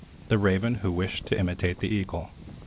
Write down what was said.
THE RAVEN WHO WISHED TO IMITATE THE EAGLE.